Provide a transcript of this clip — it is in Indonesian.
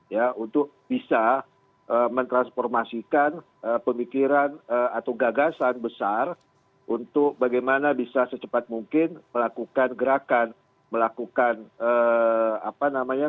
ya untuk bisa mentransformasikan pemikiran atau gagasan besar untuk bagaimana bisa secepat mungkin melakukan gerakan melakukan apa namanya